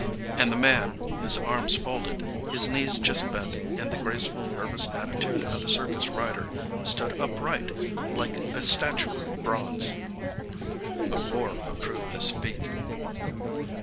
And the man, his arms folded, his knees just bent in the graceful nervous attitude of the circus rider, stood upright like a statue of bronze. A roar approved this feat.